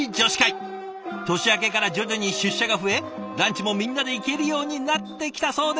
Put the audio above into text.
年明けから徐々に出社が増えランチもみんなで行けるようになってきたそうです。